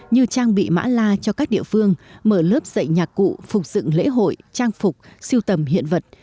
như trang bị mã la cho các địa phương mở lớp dạy nhạc cụ phục dựng lễ hội trang phục siêu tầm hiện vật